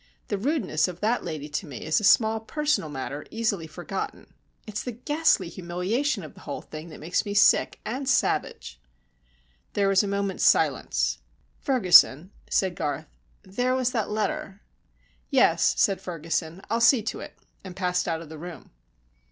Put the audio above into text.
"The rudeness of that lady to me is a small personal matter easily forgotten. It's the ghastly humiliation of the whole thing that makes me sick and savage." There was a moment's silence. "Ferguson," said Garth, "there was that letter." "Yes," said Ferguson, "I'll see to it," and passed out of the room.